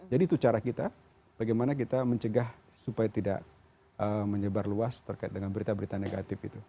jadi itu cara kita bagaimana kita mencegah supaya tidak menyebar luas terkait dengan berita berita negatif itu